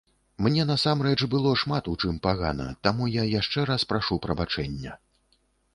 Мне насамрэч было шмат у чым пагана, таму я яшчэ раз прашу прабачэння!